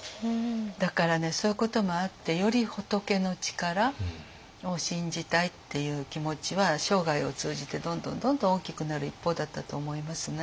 だからねそういうこともあってより仏の力を信じたいっていう気持ちは生涯を通じてどんどんどんどん大きくなる一方だったと思いますね。